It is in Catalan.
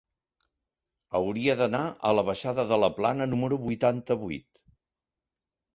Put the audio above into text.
Hauria d'anar a la baixada de la Plana número vuitanta-vuit.